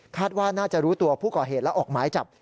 ว่าน่าจะรู้ตัวผู้ก่อเหตุและออกหมายจับ